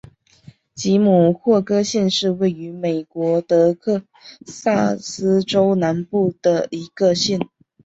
吉姆霍格县是位于美国德克萨斯州南部的一个县。